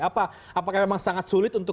apa apakah memang sangat sulit untuk